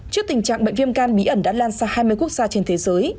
trước tình trạng bệnh viêm gan bí ẩn đã lan sang hai mươi quốc gia trên thế giới